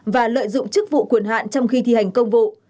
và lợi dụng chức vụ quyền hạn trong khi thi hành công vụ